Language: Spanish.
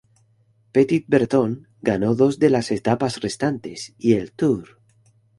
Petit-Breton ganó dos de las etapas restantes, y el Tour.